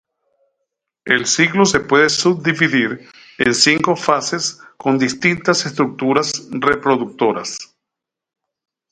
El ciclo se puede subdividir en cinco fases con distintas estructuras reproductoras.